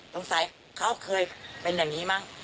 สงสัยเขาเคยเป็นอย่างนี้มั้ง